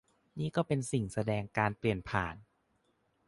นี่ก็เป็นสิ่งแสดงการเปลี่ยนผ่าน